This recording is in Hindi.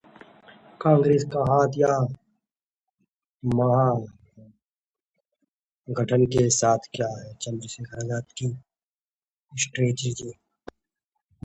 कांग्रेस का हाथ या महागठबंधन के साथ, क्या है चंद्रशेखर आजाद की स्ट्रेटजी?